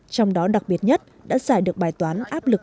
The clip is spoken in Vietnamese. trong đó đặc biệt nhất đã giải được bài toán